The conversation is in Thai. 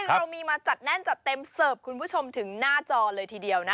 เรามีมาจัดแน่นจัดเต็มเสิร์ฟคุณผู้ชมถึงหน้าจอเลยทีเดียวนะ